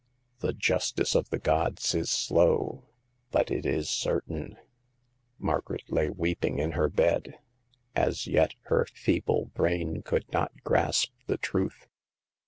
The justice of the gods is slow, but it is certain. Margaret lay weeping in her bed. As yet her feeble brain could not grasp the truth.